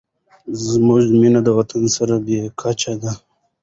زموږ مینه د وطن سره بې کچې ده.